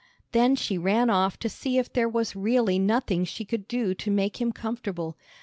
Then she ran off to see if there was really nothing she could do to make him comfortable.